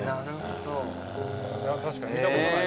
確かに見たことない。